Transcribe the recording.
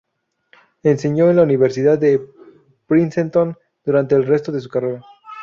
Enseñó en la Universidad de Princeton durante el resto de su carrera.